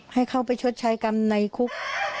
ให้เข้าไปชดใช้กรรมในคุก